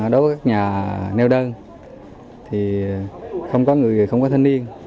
đối với các nhà neo đơn thì không có người thì không có thân niên